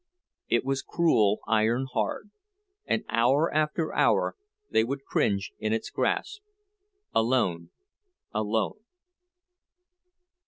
It was cruel iron hard; and hour after hour they would cringe in its grasp, alone, alone.